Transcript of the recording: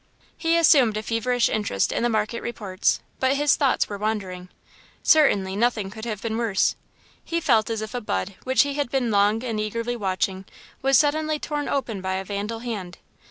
He assumed a feverish interest in the market reports, but his thoughts were wandering. Certainly, nothing could have been worse. He felt as if a bud, which he had been long and eagerly watching, was suddenly torn open by a vandal hand.